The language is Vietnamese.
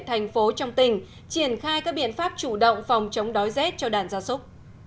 thành phố trong tỉnh triển khai các biện pháp chủ động phòng chống đói rét cho đàn gia súc